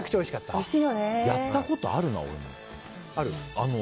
やったことあるな、俺も。